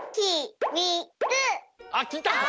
あっきた！